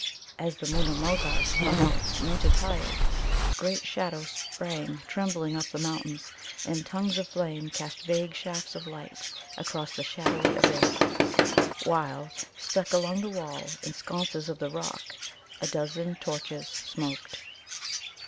As the Moona mulgar's fires mounted higher, great shadows sprang trembling up the mountains, and tongues of flame cast vague shafts of light across the shadowy abyss; while, stuck along the wall in sconces of the rock, a dozen torches smoked.